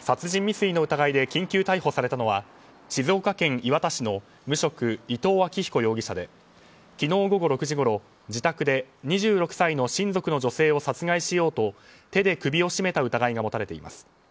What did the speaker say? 殺人未遂の疑いで緊急逮捕されたのは静岡県磐田市の無職伊藤彰彦容疑者で昨日午後６時ごろ自宅で２６歳の親族の女性を殺害しようと手で首を絞めた疑いが持たれています。